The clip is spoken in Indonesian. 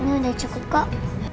ini sudah cukup kak